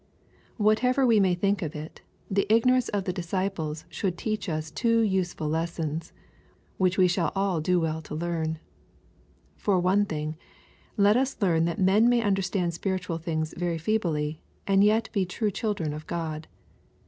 Whatever we may think of it, the ignorance of the disciples should teach us two useful lessons, which we shall all do well to learn. For one thing, let us learn that men may understand spiritual things very feebly, and yet be true children of God.